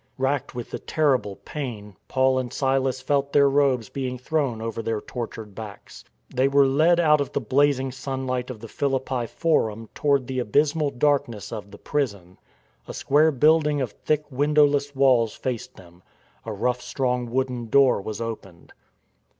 Racked with the terrible pain, Paul and Silas felt their robes being thrown over their tortured backs. They were led out of the blazing sunlight of the Philippi forum toward the abysmal darkness of the prison. A square building of thick windowless walls faced them. A rough strong wooden door was opened.